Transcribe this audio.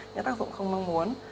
những tác dụng không mong muốn